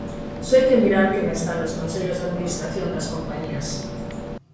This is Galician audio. Só hai que mirar quen está nos consellos de administración das compañías.